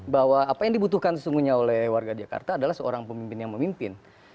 bahwa apa yang dibutuhkan sesungguhnya oleh warga jakarta adalah seorang pemimpin yang memimpin